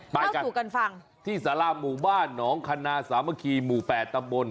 ไปกันเล่าสู่กันฟังที่สาราหมู่บ้านหนองคณะสามะคีหมู่แปดตะบน